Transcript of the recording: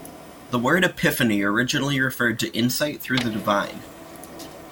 The word epiphany originally referred to insight through the divine.